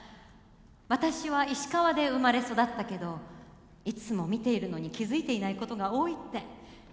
私は石川で生まれ育ったけどいつも見ているのに気付いていないことが多いって。